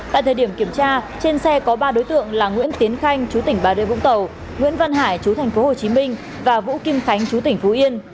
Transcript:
tại thời điểm kiểm tra trên xe có ba đối tượng là nguyễn tiến khanh chú tỉnh bà rê vũng tàu nguyễn văn hải chú tp hcm và vũ kim khánh chú tỉnh phú yên